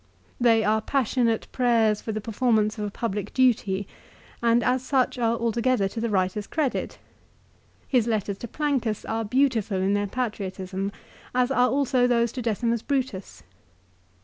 They are passionate prayers for the performance of a public duty, and as such are altogether to the writer's credit. His letters to Plancus are beautiful in their patriotism, as are also those to Decimus Brutus.